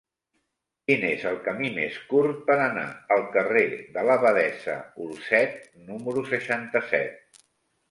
Quin és el camí més curt per anar al carrer de l'Abadessa Olzet número seixanta-set?